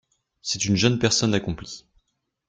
C'est une jeune personne accomplie.